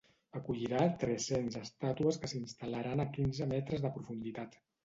Acollirà tres-cents estàtues que s’instal·laran a quinze metres de profunditat.